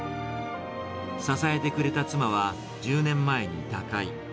支えてくれた妻は、１０年前に他界。